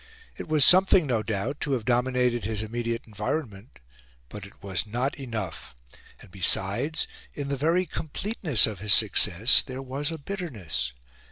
It was something, no doubt, to have dominated his immediate environment; but it was not enough; and, besides, in the very completeness of his success, there was a bitterness.